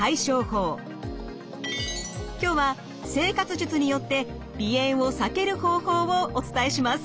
今日は生活術によって鼻炎を避ける方法をお伝えします。